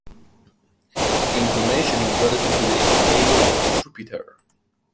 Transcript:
Inclination is relative to the equator of Jupiter.